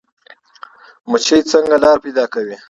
مچۍ څنګه لاره پیدا کوي؟